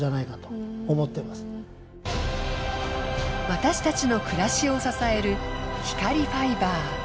私たちの暮らしを支える光ファイバー。